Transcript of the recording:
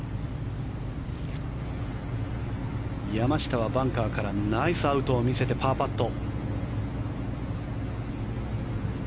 山下はバンカーからナイスアウトを見せてパーパット。